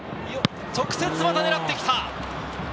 直接また狙ってきた！